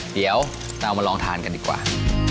เดี๋ยวเรามาลองทานกันดีกว่า